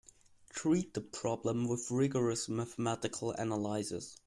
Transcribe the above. Treat the problem with rigorous mathematical analysis.